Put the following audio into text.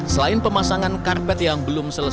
selain pemasangan karpet yang belum selesai